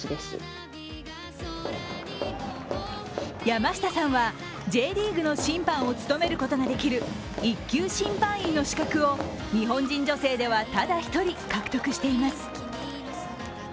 山下さんは、Ｊリーグの審判を務めることができる１級審判員の資格を日本人女性ではただ１人獲得しています。